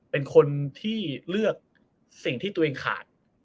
เป็นคนที่เลือกสิ่งที่ตัวเองขาด